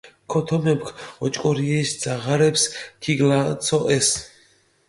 ქოთომეფქ ოჭკორიეშ ძაღარეფს ქიგლაცოჸეს.